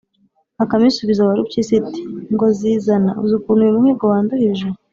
“bakame isubiza warupyisi iti: “ngo zizana! uzi ukuntu uyu muhigo wanduhije?